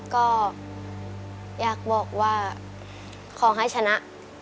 ก็อยากบอกว่าขอให้ชนะ